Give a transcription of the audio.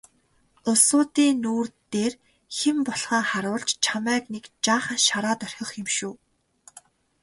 Улсуудын нүүр дээр хэн болохоо харуулж чамайг нэг жаахан шараад орхих юм шүү.